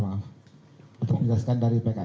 untuk menjelaskan dari pks